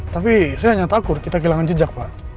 tapi saya hanya takut kita kehilangan jejak pak